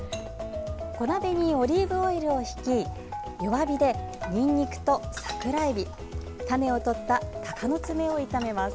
小鍋にオリーブオイルをひき弱火でにんにくと桜エビ種を取ったたかのつめを炒めます。